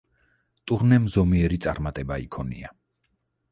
ტურნემ ზომიერი წარმატება იქონია.